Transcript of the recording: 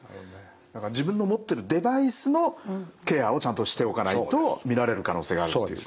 自分の持っているデバイスのケアをちゃんとしておかないと見られる可能性があるということですね。